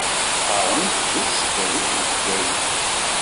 Qqaṛent di tesdawit n Bgayet.